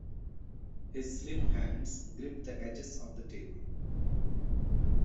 His slim hands gripped the edges of the table.